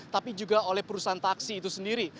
tapi juga oleh perusahaan taksi itu sendiri